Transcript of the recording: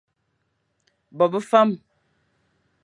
Bo be fam.